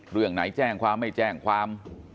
เรื่องไหนแจ้งความไม่แจ้งความ